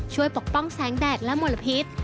ปกป้องแสงแดดและมลพิษ